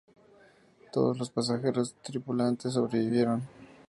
Todos los pasajeros y tripulantes sobrevivieron.